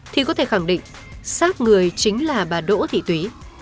thì có thể khẳng định sát người chính là bà đỗ thị túy